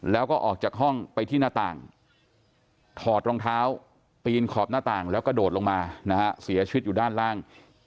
แล้วก็ออกจากห้องไปที่หน้าต่างถอดรองเท้าปีนขอบหน้าต่างแล้วกระโดดลงมานะฮะเสียชีวิตอยู่ด้านล่าง